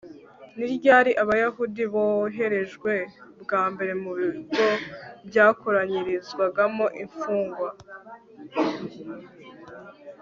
Ni ryari Abayahudi boherejwe bwa mbere mu bigo byakoranyirizwagamo imfungwa